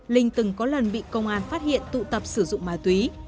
linh từng có lần bị công an phát hiện tụ tập sử dụng ma túy